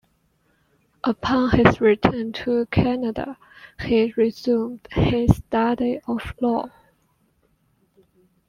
Upon his return to Canada, he resumed his study of law.